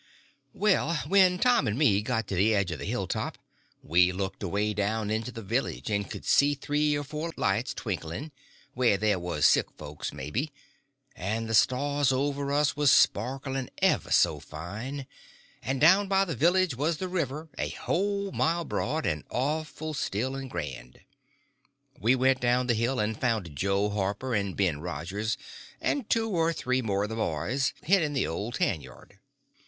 Well, when Tom and me got to the edge of the hilltop we looked away down into the village and could see three or four lights twinkling, where there was sick folks, maybe; and the stars over us was sparkling ever so fine; and down by the village was the river, a whole mile broad, and awful still and grand. We went down the hill and found Jo Harper and Ben Rogers, and two or three more of the boys, hid in the old tanyard.